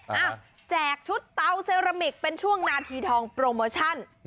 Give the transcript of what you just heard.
เอ้าแจกชุดเตาเซรามิกเป็นช่วงนาทีทองโปรโมชั่น